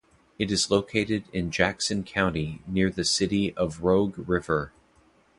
It is located in Jackson Country near the city of Rogue River.